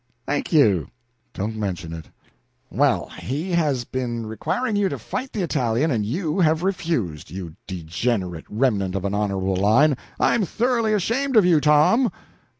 "Thank you." "Don't mention it." "Well, he has been requiring you to fight the Italian and you have refused. You degenerate remnant of an honorable line! I'm thoroughly ashamed of you, Tom!"